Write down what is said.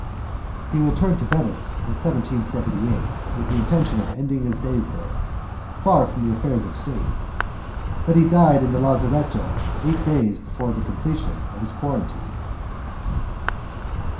He returned to Venice in 1778 with the intention of ending his days there, far from affairs of state, but he died in the lazaretto eight days before the completion of his quarantine.